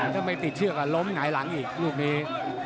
ถ้าไม่ติดเชือกล้มหงายหลังอีกลูกนี้